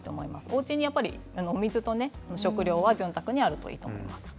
おうちにお水と食料は潤沢にあるといいと思います。